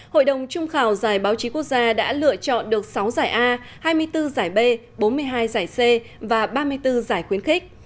hội đồng trung khảo giải báo chí quốc gia đã lựa chọn được sáu giải a hai mươi bốn giải b bốn mươi hai giải c và ba mươi bốn giải khuyến khích